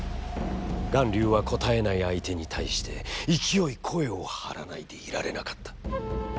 巌流は、答えない相手に対して、勢い声を張らないで居られなかった。